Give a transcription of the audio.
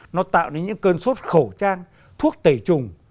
nó tạo nên những cơn sốt khẩu trang thuốc tẩy trùng